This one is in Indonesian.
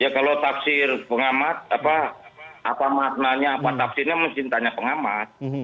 kalau taksir pengamat apa maknanya apa taksirnya mesti ditanya pengamat